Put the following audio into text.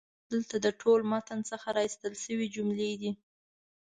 دلته د ټول متن څخه را ایستل شوي جملې دي: